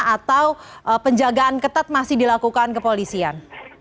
atau penjagaan ketat masih dilakukan kepolisian